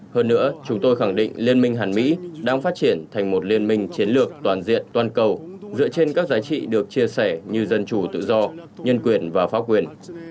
hơn nữa chúng tôi khẳng định liên minh hàn mỹ đang phát triển thành một liên minh chiến lược toàn diện toàn cầu dựa trên các giá trị được chia sẻ như dân chủ tự do nhân quyền và pháp quyền